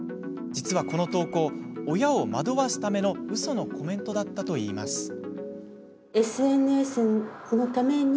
実はこの投稿親を惑わすためのうそのコメントだったといいます。